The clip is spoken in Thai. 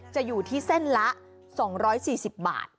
จะอยู่ที่เส้นละ๒๔๐บาท